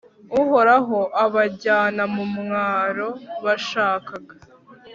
uhoraho abajyana mu mwaro bashakaga